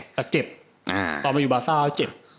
แต่เจ็บตอนมาอยู่บาซ่าก็เจ็บ